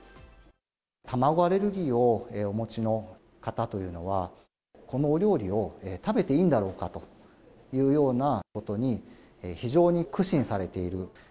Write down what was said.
卵アレルギーをお持ちの方というのは、このお料理を食べていいんだろうかというようなことに非常に苦心されている。